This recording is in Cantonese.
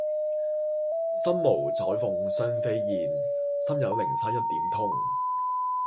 身無彩鳳雙飛翼，心有靈犀一點通。